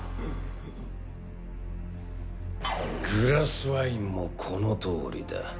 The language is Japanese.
グラスワインもこのとおりだ。